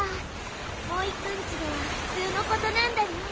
モイくんちではふつうのことなんだね。